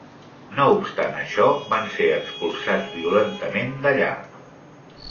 No obstant això, van ser expulsats violentament d'allà.